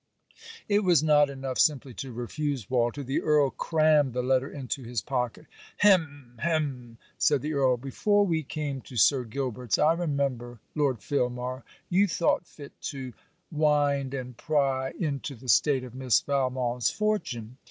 It was not enough simply to refuse, Walter. The Earl crammed the letter into his pocket. 'Hem! hem!' said the Earl. 'Before we came to Sir Gilbert's I remember, Lord Filmar, you thought fit to wind, and pry into the state of Miss Valmont's fortune.